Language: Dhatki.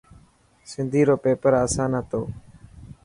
سنڌي رو پيپر اسان هتو.